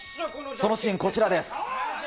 そのシーンこちらです。